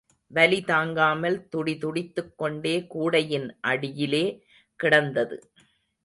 வலி தாங்காமல் துடிதுடித்துக் கொண்டே கூடையின் அடியிலே கிடந்தது.